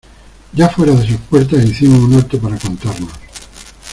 ya fuera de sus puertas hicimos un alto para contarnos.